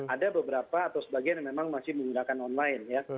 ada beberapa atau sebagian yang memang masih menggunakan online ya